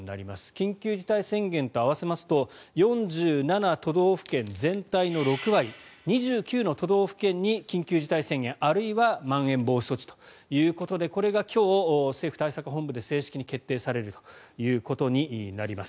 緊急事態宣言と合わせますと４７都道府県全体の６割２９の都道府県に緊急事態宣言あるいはまん延防止措置ということでこれが今日、政府対策本部で正式に決定されるということになります。